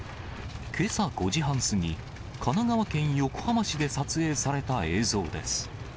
けさ５時半過ぎ、神奈川県横浜市で撮影された映像です。